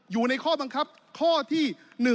อยู่ในข้อบังคับข้อที่๑